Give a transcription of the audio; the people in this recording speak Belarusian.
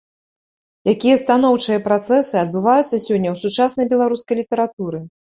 Якія станоўчыя працэсы адбываюцца сёння ў сучаснай беларускай літаратуры?